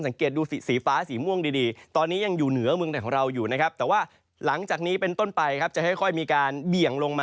สังเก็บดูสีฟ้าสีม่วงดีตอนนี้ยังอยู่เหนือมือแหล่งของเราอยู่นะครับแต่ว่าหลังจากนี้เป็นต้นไปครับจะค่อย